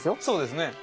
そうですね